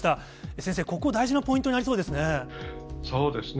先生、ここ、大事なポイントになりそうですね。